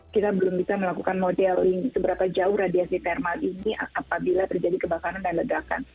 kita belum bisa melakukan modeling seberapa jauh radiasi thermal ini apabila terjadi kebakaran dan ledakan